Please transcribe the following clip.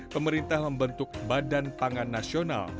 pemerintah membentuk badan pangan nasional